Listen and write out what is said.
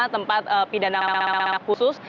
tempat pidanam khusus